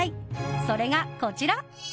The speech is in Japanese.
それが、こちら。